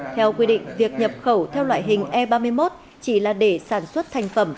theo quy định việc nhập khẩu theo loại hình e ba mươi một chỉ là để sản xuất thành phẩm